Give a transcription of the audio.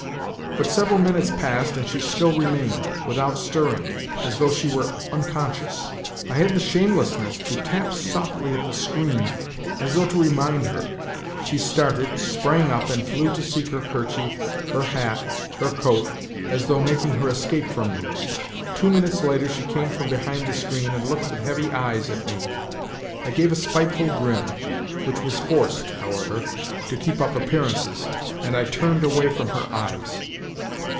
But several minutes passed and she still remained, without stirring, as though she were unconscious. I had the shameless ness to tap softly at the screen as though to remind her. ... She started, sprang up, and flew to seek her kerchief, her hat, her coat, as though making her escape from me. ... Two minutes later she came from behind the screen and looked with heavy eyes at me. I gave a spiteful grin, which was forced, however, to keep up appearances, and I turned away from her eyes.